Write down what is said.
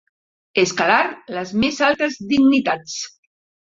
Escalar les més altes dignitats.